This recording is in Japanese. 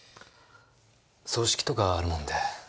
葬式とかあるもんで。